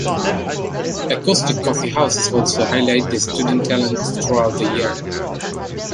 Acoustic coffeehouses also highlight student talent throughout the year.